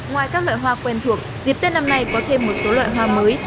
ngoài các loại hoa quen thuộc dịp tết năm nay có thêm một số loại hoa mới